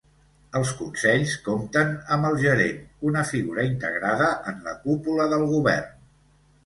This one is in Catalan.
Els consells compten amb el gerent, una figura integrada en la cúpula del govern.